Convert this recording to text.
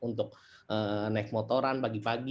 saya sudah pakai untuk naik motoran pagi pagi